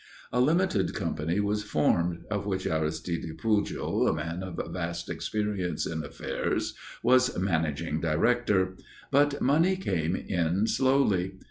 A limited company was formed, of which Aristide Pujol, man of vast experience in affairs, was managing director. But money came in slowly.